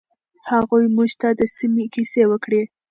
هغوی موږ ته د سیمې کیسې وکړې.